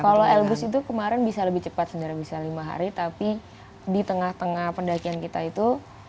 kalau elbrus itu kemarin bisa lebih cepat sebenarnya bisa lima hari tapi di tengah tengah pendakian kita itu